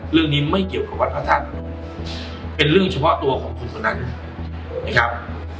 เรื่องนี้ไม่เกี่ยวกับวัดพระธาตุเป็นเรื่องเฉพาะตัวของคุณคนนั้นนะครับ